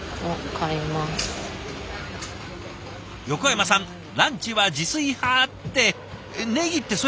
横山さんランチは自炊派ってえっ？